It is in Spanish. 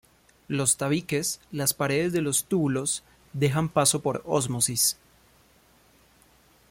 Los tabiques, las paredes de los túbulos, dejan paso por ósmosis.